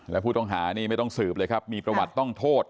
และผู้ต้องหานี่ไม่ต้องสืบเลยครับมีประวัติต้องโทษ